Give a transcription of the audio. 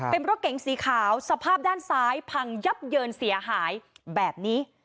เป็นรถเก๋งสีขาวสภาพด้านซ้ายพังยับเยินเสียหายแบบนี้